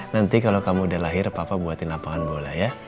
nanti kalau kamu udah lahir papa buatin lapangan bola ya